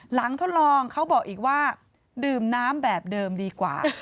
ทดลองเขาบอกอีกว่าดื่มน้ำแบบเดิมดีกว่า